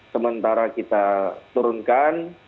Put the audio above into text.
sementara kita turunkan